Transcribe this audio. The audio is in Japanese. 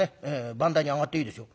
番台に上がっていいですよ」。